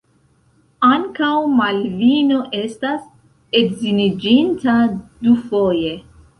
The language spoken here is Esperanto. Ankaŭ Malvino estas edziniĝinta dufoje.